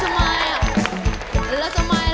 อยากจะได้แอบอิ่ง